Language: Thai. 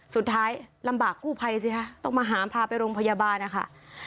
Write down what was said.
สุดท้ายลำบากกู้ภัยสิคะต้องมาหาพาไปโรงพยาบาลนะคะ